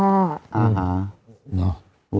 อ่าฮะ